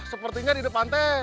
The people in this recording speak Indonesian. sepertinya di depan teh